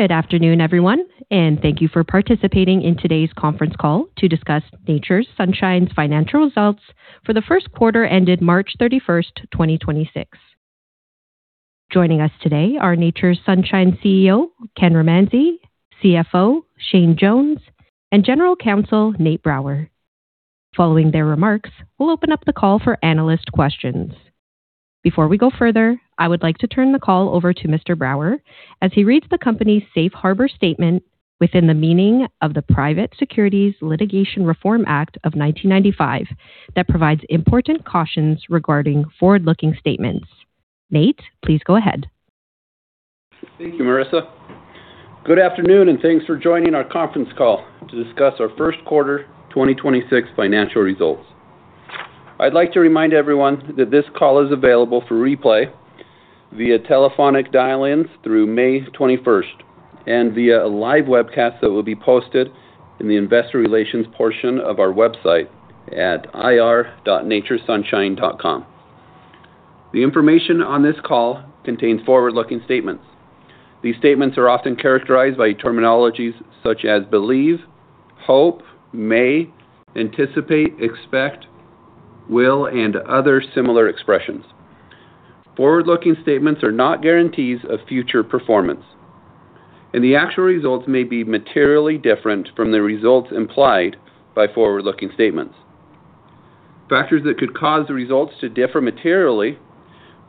Good afternoon, everyone, and thank you for participating in today's conference call to discuss Nature's Sunshine's financial results for the first quarter ended March 31st, 2026. Joining us today are Nature's Sunshine CEO, Ken Romanzi, CFO, Shane Jones, and General Counsel, Nate Brower. Following their remarks, we'll open up the call for analyst questions. Before we go further, I would like to turn the call over to Mr. Brower as he reads the company's safe harbor statement within the meaning of the Private Securities Litigation Reform Act of 1995 that provides important cautions regarding forward-looking statements. Nate, please go ahead. Thank you, Marissa. Good afternoon, and thanks for joining our conference call to discuss our first quarter 2026 financial results. I'd like to remind everyone that this call is available for replay via telephonic dial-ins through May 21st and via a live webcast that will be posted in the investor relations portion of our website at ir.naturessunshine.com. The information on this call contains forward-looking statements. These statements are often characterized by terminologies such as believe, hope, may, anticipate, expect, will, and other similar expressions. Forward-looking statements are not guarantees of future performance, and the actual results may be materially different from the results implied by forward-looking statements. Factors that could cause the results to differ materially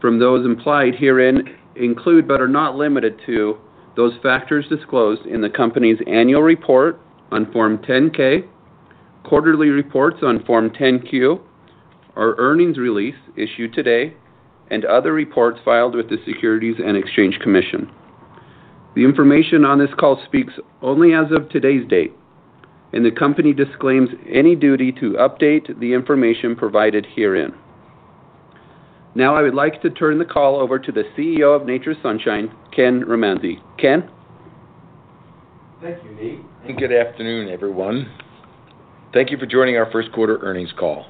from those implied herein include but are not limited to those factors disclosed in the company's annual report on Form 10-K, quarterly reports on Form 10-Q, our earnings release issued today, and other reports filed with the Securities and Exchange Commission. The information on this call speaks only as of today's date, and the company disclaims any duty to update the information provided herein. Now, I would like to turn the call over to the CEO of Nature's Sunshine, Ken Romanzi. Ken? Thank you, Nate, and good afternoon, everyone. Thank you for joining our first quarter earnings call.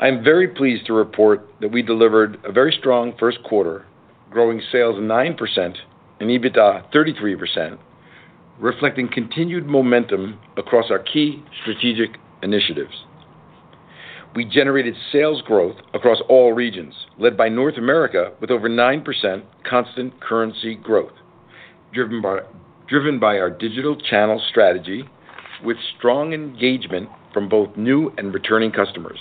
I am very pleased to report that we delivered a very strong first quarter, growing sales 9% and EBITDA 33%, reflecting continued momentum across our key strategic initiatives. We generated sales growth across all regions, led by North America with over 9% constant currency growth, driven by our digital channel strategy with strong engagement from both new and returning customers.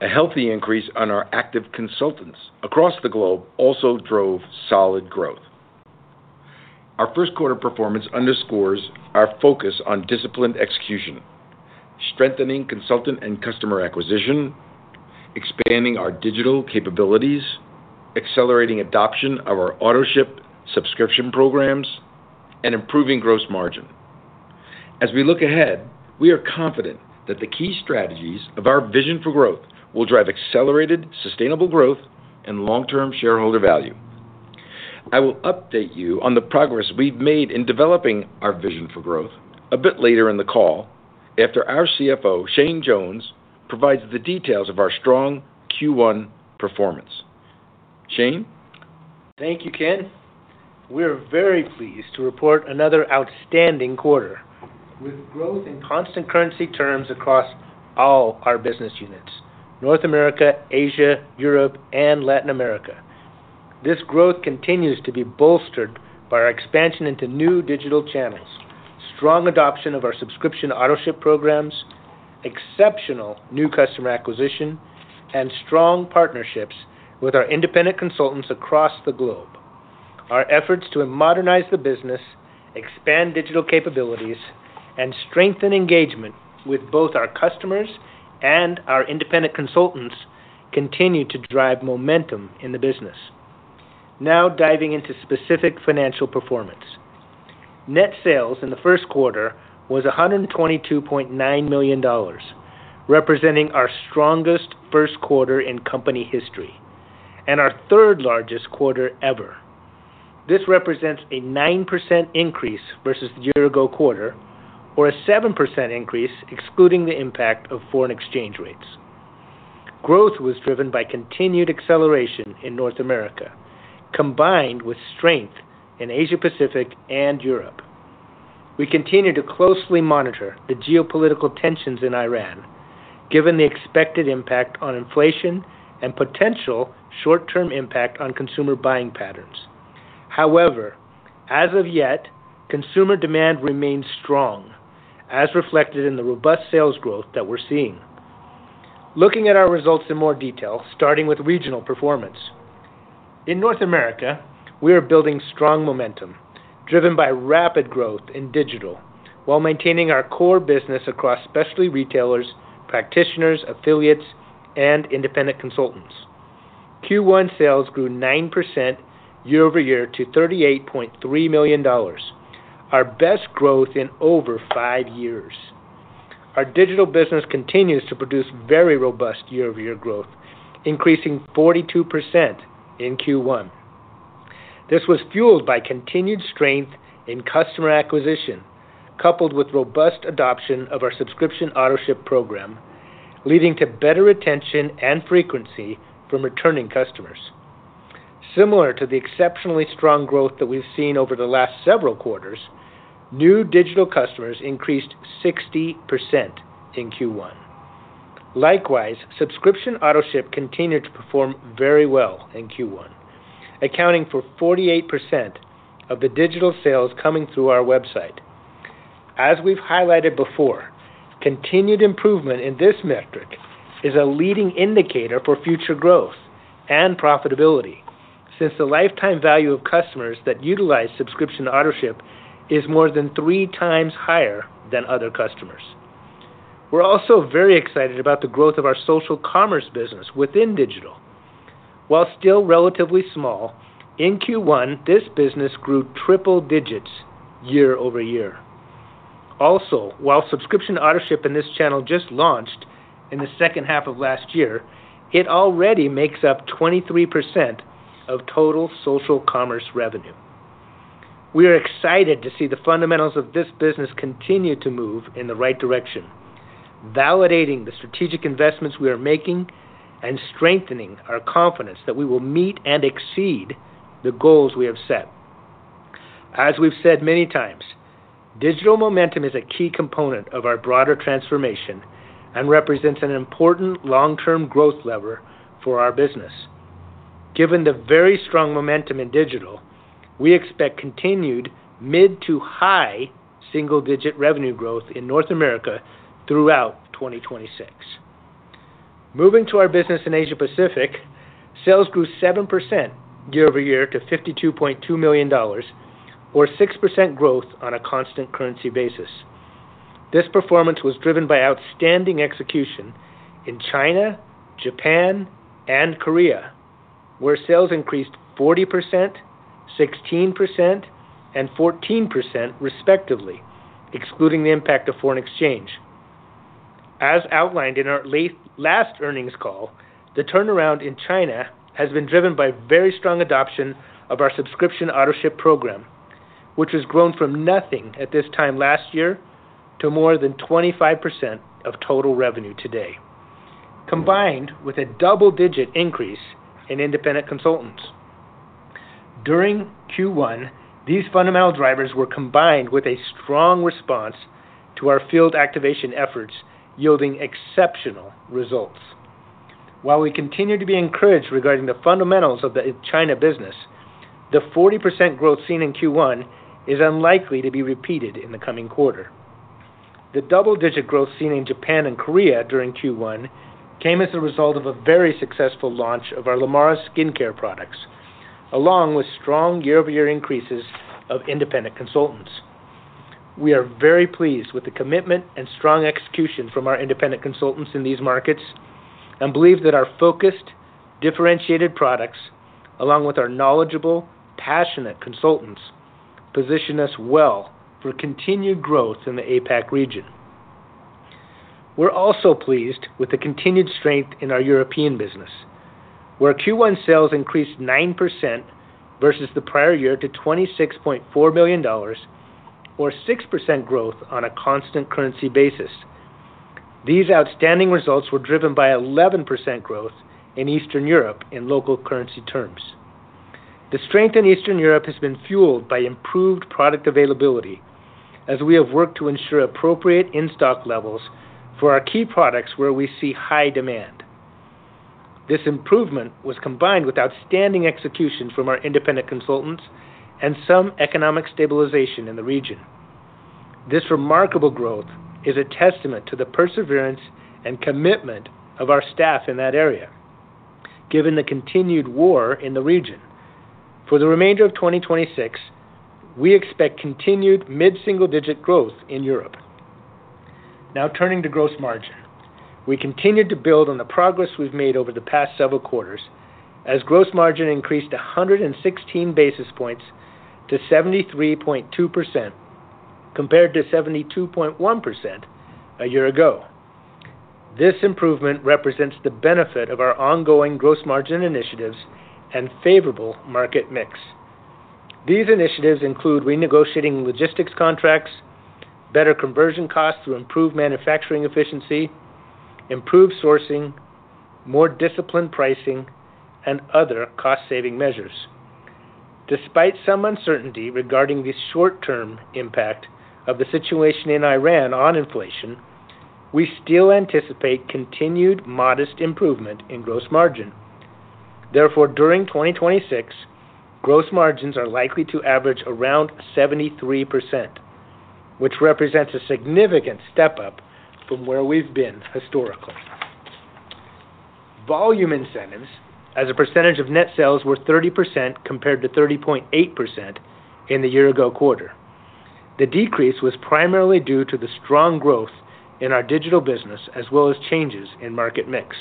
A healthy increase on our active consultants across the globe also drove solid growth. Our first quarter performance underscores our focus on disciplined execution, strengthening consultant and customer acquisition, expanding our digital capabilities, accelerating adoption of our autoship subscription programs, and improving gross margin. As we look ahead, we are confident that the key strategies of our vision for growth will drive accelerated, sustainable growth and long-term shareholder value. I will update you on the progress we've made in developing our vision for growth a bit later in the call after our CFO, Shane Jones, provides the details of our strong Q1 performance. Shane? Thank you, Ken. We are very pleased to report another outstanding quarter with growth in constant currency terms across all our business units, North America, Asia, Europe, and Latin America. This growth continues to be bolstered by our expansion into new digital channels, strong adoption of our subscription autoship programs, exceptional new customer acquisition, and strong partnerships with our independent consultants across the globe. Our efforts to modernize the business, expand digital capabilities, and strengthen engagement with both our customers and our independent consultants continue to drive momentum in the business. Now diving into specific financial performance. Net sales in the first quarter was $122.9 million, representing our strongest first quarter in company history and our third-largest quarter ever. This represents a 9% increase versus the year-ago quarter or a 7% increase excluding the impact of foreign exchange rates. Growth was driven by continued acceleration in North America, combined with strength in Asia-Pacific and Europe. We continue to closely monitor the geopolitical tensions in Ukraine, given the expected impact on inflation and potential short-term impact on consumer buying patterns. However, as of yet, consumer demand remains strong, as reflected in the robust sales growth that we're seeing. Looking at our results in more detail, starting with regional performance. In North America, we are building strong momentum driven by rapid growth in digital while maintaining our core business across specialty retailers, practitioners, affiliates, and independent consultants. Q1 sales grew 9% year-over-year to $38.3 million, our best growth in over 5 years. Our digital business continues to produce very robust year-over-year growth, increasing 42% in Q1. This was fueled by continued strength in customer acquisition, coupled with robust adoption of our subscription autoship program, leading to better retention and frequency from returning customers. Similar to the exceptionally strong growth that we've seen over the last several quarters, new digital customers increased 60% in Q1. Likewise, subscription autoship continued to perform very well in Q1, accounting for 48% of the digital sales coming through our website. As we've highlighted before, continued improvement in this metric is a leading indicator for future growth and profitability, since the lifetime value of customers that utilize subscription autoship is more than 3 times higher than other customers. We're also very excited about the growth of our social commerce business within digital. While still relatively small, in Q1, this business grew triple digits year-over-year. Also, while subscription autoship in this channel just launched in the second half of last year, it already makes up 23% of total social commerce revenue. We are excited to see the fundamentals of this business continue to move in the right direction, validating the strategic investments we are making and strengthening our confidence that we will meet and exceed the goals we have set. As we've said many times, digital momentum is a key component of our broader transformation and represents an important long-term growth lever for our business. Given the very strong momentum in digital, we expect continued mid to high single-digit revenue growth in North America throughout 2026. Moving to our business in Asia Pacific, sales grew 7% year-over-year to $52.2 million or 6% growth on a constant currency basis. This performance was driven by outstanding execution in China, Japan, and Korea, where sales increased 40%, 16%, and 14% respectively, excluding the impact of foreign exchange. As outlined in our last earnings call, the turnaround in China has been driven by very strong adoption of our Subscription Autoship program, which has grown from nothing at this time last year to more than 25% of total revenue today, combined with a double-digit increase in independent consultants. During Q1, these fundamental drivers were combined with a strong response to our field activation efforts, yielding exceptional results. While we continue to be encouraged regarding the fundamentals of the China business, the 40% growth seen in Q1 is unlikely to be repeated in the coming quarter. The double-digit growth seen in Japan and Korea during Q1 came as a result of a very successful launch of our L'amara skincare products, along with strong year-over-year increases of independent consultants. We are very pleased with the commitment and strong execution from our independent consultants in these markets and believe that our focused, differentiated products, along with our knowledgeable, passionate consultants, position us well for continued growth in the APAC region. We're also pleased with the continued strength in our European business, where Q1 sales increased 9% versus the prior year to $26.4 million or 6% growth on a constant currency basis. These outstanding results were driven by 11% growth in Eastern Europe in local currency terms. The strength in Eastern Europe has been fueled by improved product availability as we have worked to ensure appropriate in-stock levels for our key products where we see high demand. This improvement was combined with outstanding execution from our independent consultants and some economic stabilization in the region. This remarkable growth is a testament to the perseverance and commitment of our staff in that area, given the continued war in the region. For the remainder of 2026, we expect continued mid-single-digit growth in Europe. Turning to gross margin. We continued to build on the progress we've made over the past several quarters as gross margin increased 116 basis points to 73.2% compared to 72.1% a year ago. This improvement represents the benefit of our ongoing gross margin initiatives and favorable market mix. These initiatives include renegotiating logistics contracts, better conversion costs to improve manufacturing efficiency, improved sourcing, more disciplined pricing, and other cost-saving measures. Despite some uncertainty regarding the short-term impact of the situation in Ukraine on inflation, we still anticipate continued modest improvement in gross margin. During 2026, gross margins are likely to average around 73%, which represents a significant step up from where we've been historically. Volume incentives as a percentage of net sales were 30% compared to 30.8% in the year ago quarter. The decrease was primarily due to the strong growth in our digital business as well as changes in market mix.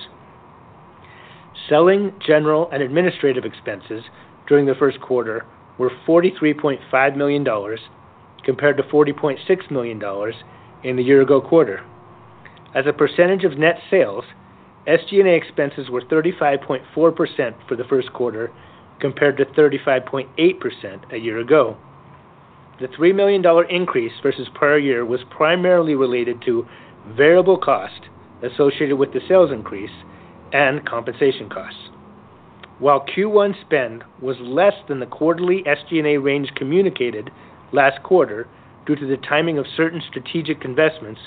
Selling, general, and administrative expenses during the first quarter were $43.5 million compared to $40.6 million in the year ago quarter. As a percentage of net sales, SG&A expenses were 35.4% for the first quarter compared to 35.8% a year ago. The $3 million increase versus prior year was primarily related to variable cost associated with the sales increase and compensation costs. While Q1 spend was less than the quarterly SG&A range communicated last quarter due to the timing of certain strategic investments,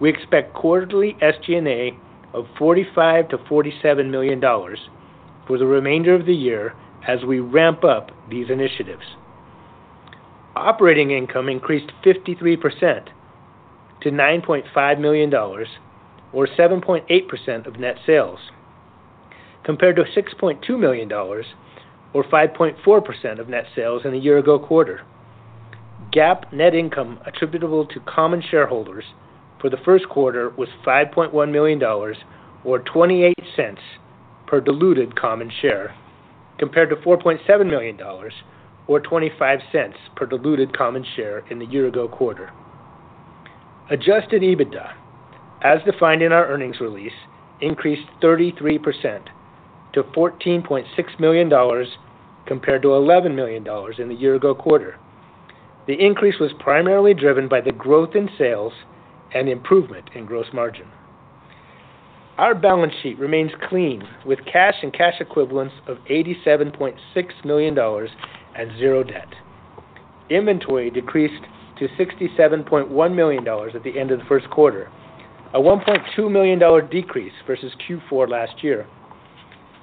we expect quarterly SG&A of $45 million-$47 million for the remainder of the year as we ramp up these initiatives. Operating income increased 53% to $9.5 million or 7.8% of net sales, compared to $6.2 million or 5.4% of net sales in the year-ago quarter. GAAP net income attributable to common shareholders for the first quarter was $5.1 million or $0.28 per diluted common share, compared to $4.7 million or $0.25 per diluted common share in the year ago quarter. Adjusted EBITDA, as defined in our earnings release, increased 33% to $14.6 million compared to $11 million in the year ago quarter. The increase was primarily driven by the growth in sales and improvement in gross margin. Our balance sheet remains clean with cash and cash equivalents of $87.6 million and zero debt. Inventory decreased to $67.1 million at the end of the first quarter, a $1.2 million decrease versus Q4 last year.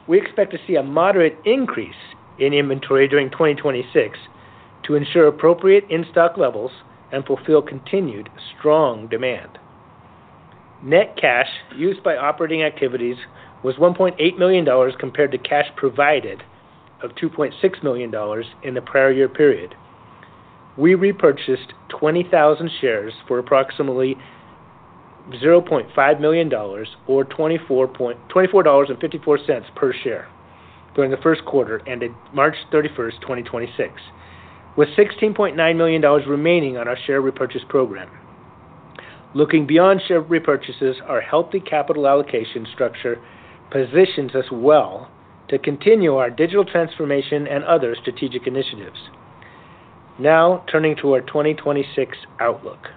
We expect to see a moderate increase in inventory during 2026 to ensure appropriate in-stock levels and fulfill continued strong demand. Net cash used by operating activities was $1.8 million compared to cash provided of $2.6 million in the prior year period. We repurchased 20,000 shares for approximately $0.5 million or $24.54 per share during the first quarter ended March 31st, 2026, with $16.9 million remaining on our share repurchase program. Looking beyond share repurchases, our healthy capital allocation structure positions us well to continue our digital transformation and other strategic initiatives. Turning to our 2026 outlook.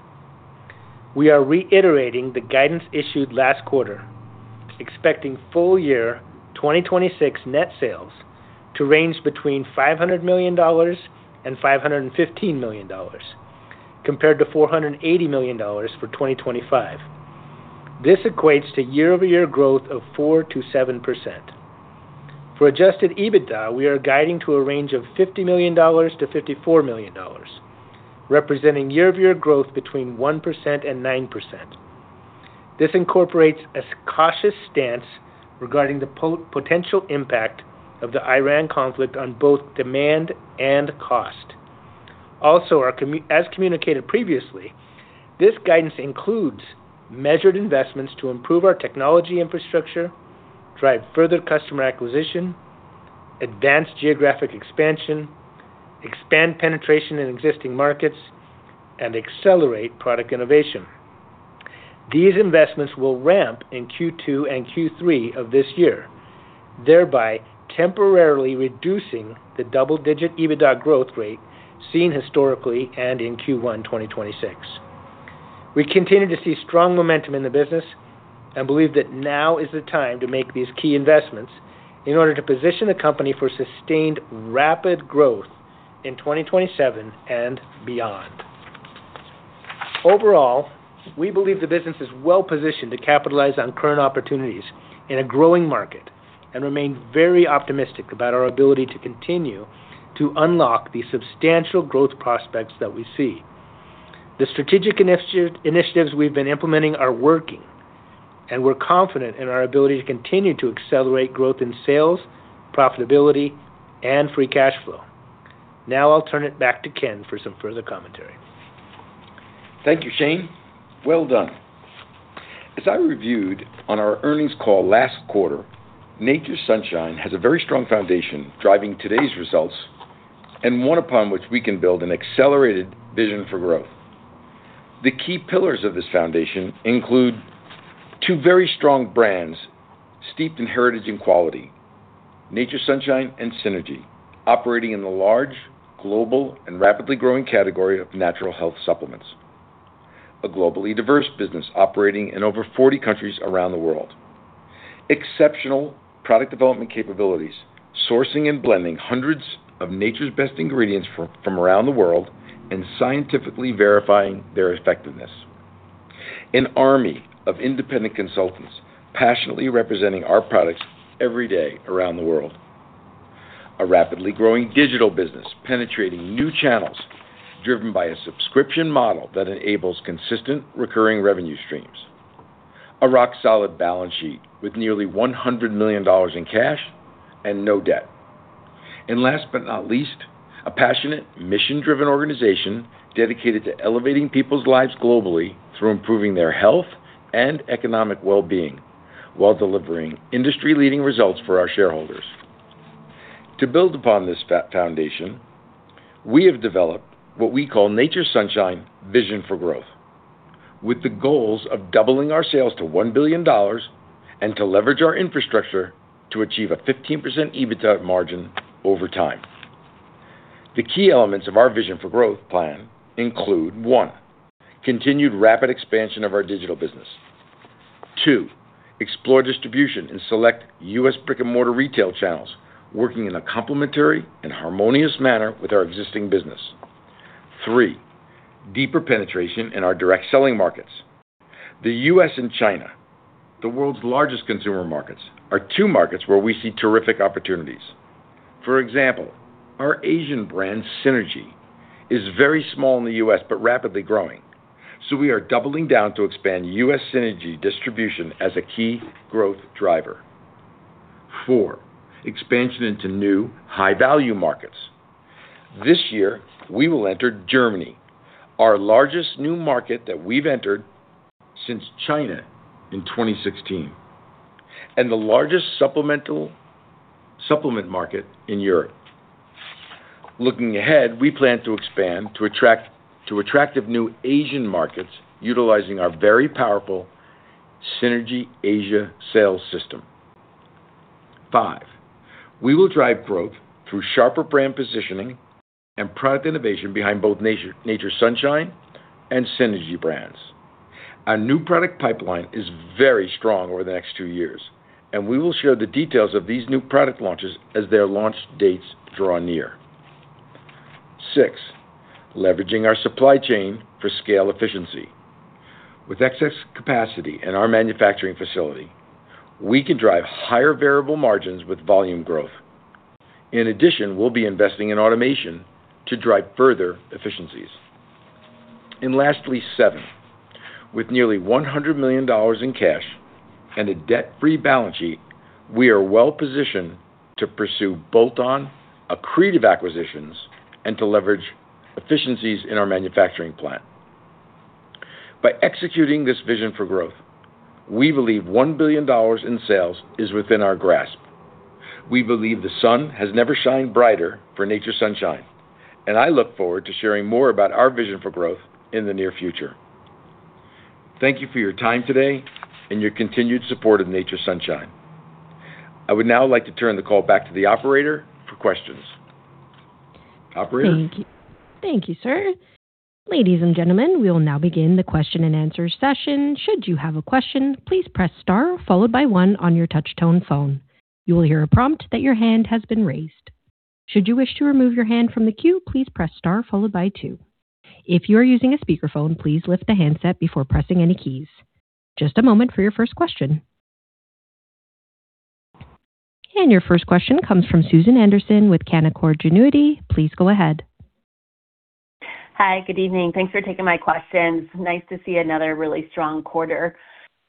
We are reiterating the guidance issued last quarter, expecting full year 2026 net sales to range between $500 million and $515 million, compared to $480 million for 2025. This equates to year-over-year growth of 4%-7%. For adjusted EBITDA, we are guiding to a range of $50 million to $54 million, representing year-over-year growth between 1% and 9%. This incorporates a cautious stance regarding the potential impact of the Ukraine conflict on both demand and cost. As communicated previously, this guidance includes measured investments to improve our technology infrastructure, drive further customer acquisition, advance geographic expansion, expand penetration in existing markets, and accelerate product innovation. These investments will ramp in Q2 and Q3 of this year, thereby temporarily reducing the double-digit EBITDA growth rate seen historically and in Q1, 2026. We continue to see strong momentum in the business and believe that now is the time to make these key investments in order to position the company for sustained rapid growth in 2027 and beyond. We believe the business is well positioned to capitalize on current opportunities in a growing market and remain very optimistic about our ability to continue to unlock the substantial growth prospects that we see. The strategic initiatives we've been implementing are working, and we're confident in our ability to continue to accelerate growth in sales, profitability, and free cash flow. I'll turn it back to Ken for some further commentary. Thank you, Shane. Well done. As I reviewed on our earnings call last quarter, Nature's Sunshine has a very strong foundation driving today's results and one upon which we can build an accelerated vision for growth. The key pillars of this foundation include two very strong brands steeped in heritage and quality, Nature's Sunshine and Synergy, operating in the large, global, and rapidly growing category of natural health supplements. A globally diverse business operating in over 40 countries around the world. Exceptional product development capabilities, sourcing and blending hundreds of nature's best ingredients from around the world and scientifically verifying their effectiveness. An army of independent consultants passionately representing our products every day around the world. A rapidly growing digital business penetrating new channels driven by a subscription model that enables consistent recurring revenue streams. Last but not least, a passionate, mission-driven organization dedicated to elevating people's lives globally through improving their health and economic well-being while delivering industry-leading results for our shareholders. To build upon this foundation, we have developed what we call Nature's Sunshine Vision for Growth. With the goals of doubling our sales to $1 billion and to leverage our infrastructure to achieve a 15% EBITDA margin over time. The key elements of our Vision for Growth plan include, 1, continued rapid expansion of our digital business. 2, explore distribution in select U.S. brick-and-mortar retail channels, working in a complementary and harmonious manner with our existing business. 3, deeper penetration in our direct selling markets. The U.S. and China, the world's largest consumer markets, are two markets where we see terrific opportunities. For example, our Asian brand, Synergy, is very small in the U.S., but rapidly growing. We are doubling down to expand U.S. Synergy distribution as a key growth driver. 4, expansion into new high-value markets. This year, we will enter Germany, our largest new market that we've entered since China in 2016, and the largest supplement market in Europe. Looking ahead, we plan to expand to attractive new Asian markets utilizing our very powerful Synergy Asia sales system. 5, we will drive growth through sharper brand positioning and product innovation behind both Nature's Sunshine and Synergy brands. Our new product pipeline is very strong over the next 2 years, and we will share the details of these new product launches as their launch dates draw near. 6, leveraging our supply chain for scale efficiency. With excess capacity in our manufacturing facility, we can drive higher variable margins with volume growth. In addition, we'll be investing in automation to drive further efficiencies. Lastly, seven, with nearly $100 million in cash and a debt-free balance sheet, we are well-positioned to pursue bolt-on accretive acquisitions and to leverage efficiencies in our manufacturing plant. By executing this vision for growth, we believe $1 billion in sales is within our grasp. We believe the sun has never shined brighter for Nature's Sunshine, and I look forward to sharing more about our vision for growth in the near future. Thank you for your time today and your continued support of Nature's Sunshine. I would now like to turn the call back to the operator for questions. Operator? Thank you sir, Ladies and gentlemen, we will now begin the question and answers session. Should you have a question, please press star followed by one on your touch tone phone. You will hear a prompt that your hand has been raised. Should you which to remove your hand from the queue, please press star follow by two, if you are using a speaker phone, please raise your hand before pressing any keys. Just a moment for your first question. Your first question comes from Susan Anderson with Canaccord Genuity. Please go ahead. Hi, good evening. Thanks for taking my questions. Nice to see another really strong quarter.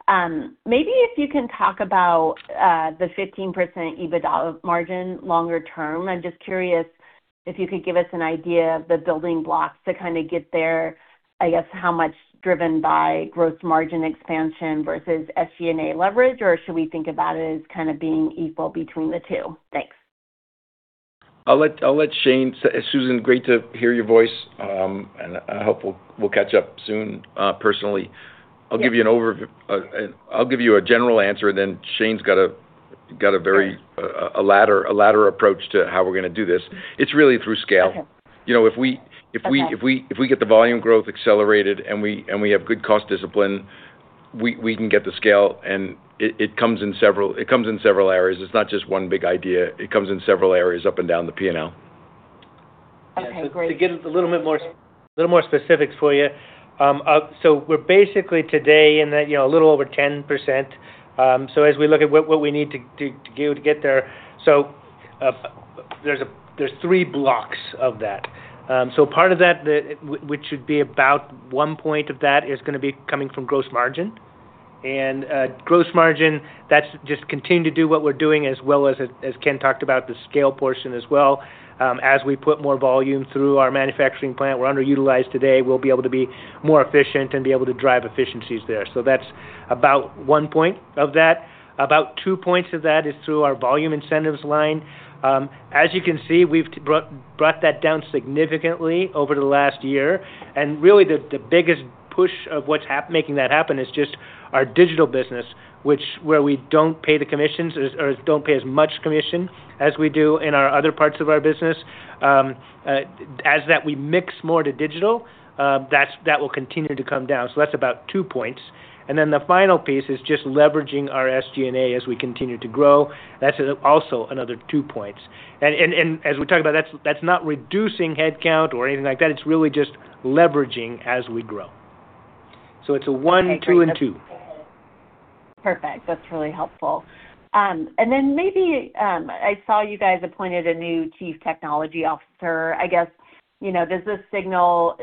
Maybe if you can talk about the 15% EBITDA margin longer term. I'm just curious if you could give us an idea of the building blocks to kind of get there, I guess how much driven by gross margin expansion versus SG&A leverage, or should we think about it as kind of being equal between the two? Thanks. Susan, great to hear your voice, and I hope we'll catch up soon, personally. Yeah. I'll give you an overview. I'll give you a general answer, then Shane's got a. A ladder approach to how we're gonna do this. It's really through scale. Okay. You know, if we. Okay if we get the volume growth accelerated and we have good cost discipline, we can get the scale and it comes in several areas. It's not just one big idea. It comes in several areas up and down the P&L. Okay, great. To give a little more specifics for you, we're basically today in that, you know, a little over 10%. As we look at what we need to go to get there. There's three blocks of that. Part of that, which should be about one point of that is gonna be coming from gross margin. Gross margin, that's just continue to do what we're doing as well as Ken talked about, the scale portion as well. As we put more volume through our manufacturing plant, we're underutilized today. We'll be able to be more efficient and be able to drive efficiencies there. That's about one point of that. About two points of that is through our volume incentives line. As you can see, we've brought that down significantly over the last year. Really, the biggest push of making that happen is just our digital business, which where we don't pay the commissions or don't pay as much commission as we do in our other parts of our business. As that, we mix more to digital, that will continue to come down. That's about two points. The final piece is just leveraging our SG&A as we continue to grow. That's also another two points. As we talk about, that's not reducing headcount or anything like that. It's really just leveraging as we grow. It's a one, two, and two. Perfect. That's really helpful. Maybe, I saw you guys appointed a new chief technology officer. Does this signal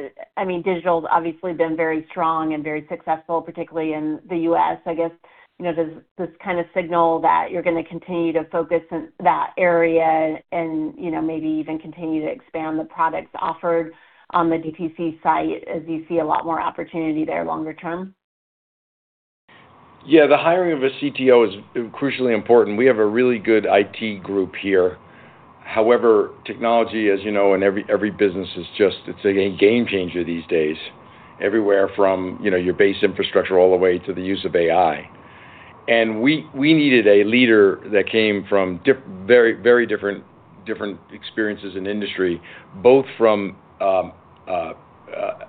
digital's obviously been very strong and very successful, particularly in the U.S. Does this kind of signal that you're gonna continue to focus in that area and maybe even continue to expand the products offered on the DTC site as you see a lot more opportunity there longer term? The hiring of a CTO is crucially important. We have a really good IT group here. However, technology, as you know, in every business is just, it's a game changer these days. Everywhere from, you know, your base infrastructure all the way to the use of AI. We needed a leader that came from very different experiences in industry, both from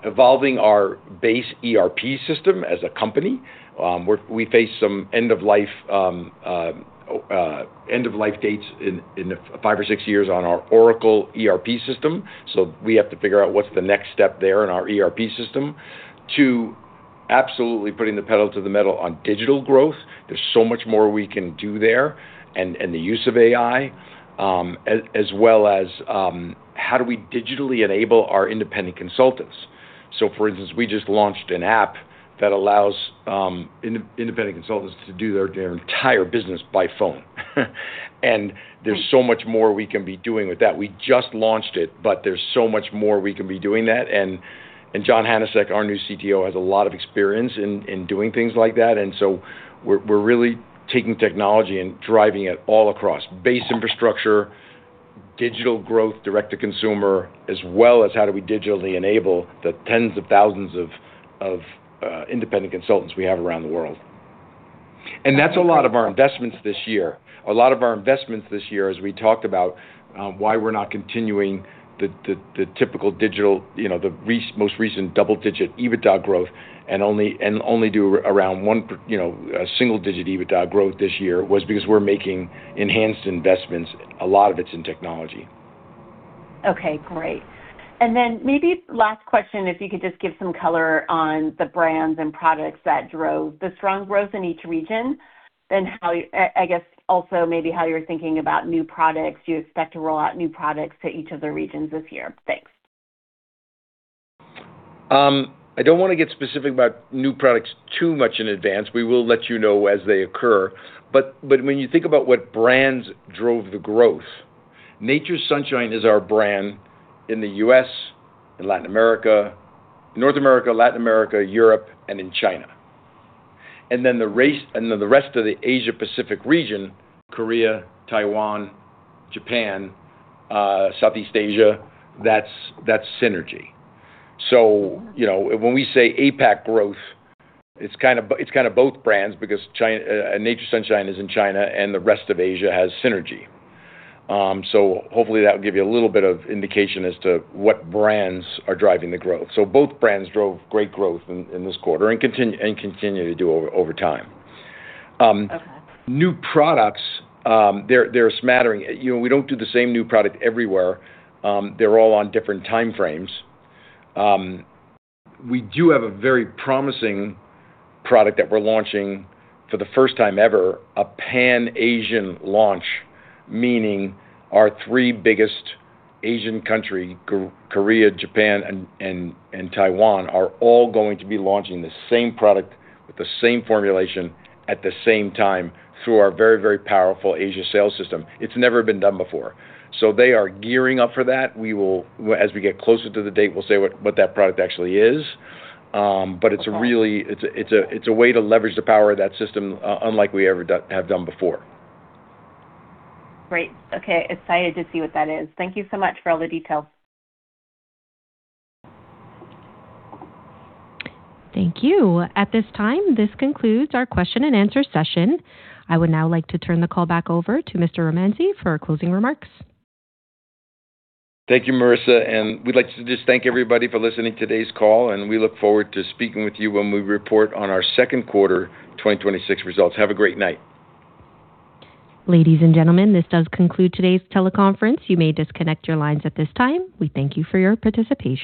evolving our base ERP system as a company, we face some end of life end of life dates in 5 or 6 years on our Oracle ERP system, so we have to figure out what's the next step there in our ERP system, to absolutely putting the pedal to the metal on digital growth. There's so much more we can do there, and the use of AI, as well as how do we digitally enable our independent consultants? For instance, we just launched an app that allows independent consultants to do their entire business by phone. There's so much more we can be doing with that. We just launched it, but there's so much more we can be doing that, and John Hnanicek, our new CTO, has a lot of experience in doing things like that. We're really taking technology and driving it all across base infrastructure, digital growth, direct to consumer, as well as how do we digitally enable the tens of thousands of independent consultants we have around the world. That's a lot of our investments this year. A lot of our investments this year, as we talked about, why we're not continuing the typical digital, you know, most recent double-digit EBITDA growth and only do around a single-digit EBITDA growth this year was because we're making enhanced investments. A lot of it's in technology. Okay, great. Then maybe last question, if you could just give some color on the brands and products that drove the strong growth in each region and how, I guess also maybe how you're thinking about new products you expect to roll out new products to each of the regions this year. Thanks. I don't wanna get specific about new products too much in advance. We will let you know as they occur. When you think about what brands drove the growth, Nature's Sunshine is our brand in the U.S., in Latin America, North America, Latin America, Europe, and in China. The rest of the Asia Pacific region, Korea, Taiwan, Japan, Southeast Asia, that's Synergy. You know, when we say APAC growth, it's kind of both brands because China, Nature's Sunshine is in China, and the rest of Asia has Synergy. Hopefully, that will give you a little bit of indication as to what brands are driving the growth. Both brands drove great growth in this quarter and continue to do over time. Okay. New products, they're a smattering. You know, we don't do the same new product everywhere. They're all on different time frames. We do have a very promising product that we're launching for the first time ever, a Pan-Asian launch, meaning our three biggest Asian country, Korea, Japan, and Taiwan, are all going to be launching the same product with the same formulation at the same time through our very, very powerful Asia sales system. It's never been done before. They are gearing up for that. As we get closer to the date, we'll say what that product actually is. Okay. It's a way to leverage the power of that system, unlike we ever have done before. Great. Okay. Excited to see what that is. Thank you so much for all the details. Thank you. At this time, this concludes our question and answer session. I would now like to turn the call back over to Mr. Romanzi for closing remarks. Thank you, Marissa. We'd like to just thank everybody for listening to today's call. We look forward to speaking with you when we report on our second quarter 2026 results. Have a great night. Ladies and gentlemen, this does conclude today's teleconference. You may disconnect your lines at this time. We thank you for your participation.